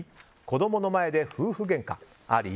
子供の前で夫婦げんかあり？